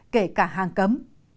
kể cả hàng cấm